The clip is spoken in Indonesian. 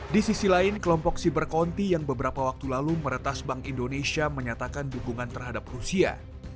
di sisi lain kelompok siber conti yang beberapa waktu lalu meretas bank indonesia menyatakan dukungan terhadap rusia